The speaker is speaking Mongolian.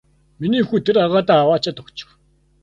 Миний хүү тэр агаадаа аваачаад өгчих.